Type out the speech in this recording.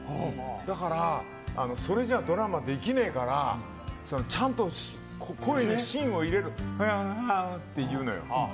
だから、それじゃドラマできねえからちゃんと声に芯を入れろはぁって言うのよ。